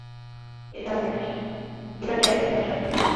এটা স্ট্যাশ ম্যাশার।